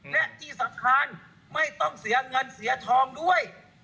และที่สำคัญไม่ต้องเสียเงินเสียทองด้วย